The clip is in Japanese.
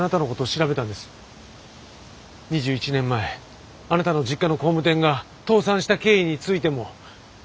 ２１年前あなたの実家の工務店が倒産した経緯についても。